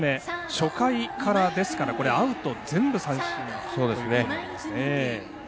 初回からアウトは全部、三振ということなんですね。